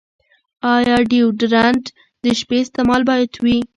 ایا ډیوډرنټ د شپې استعمال باید وي؟